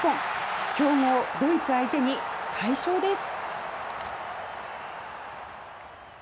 成長をとげた日本強豪ドイツ相手に快勝です。